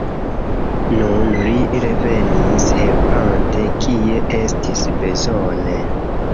Nun li revenis helpante, kie estis bezone.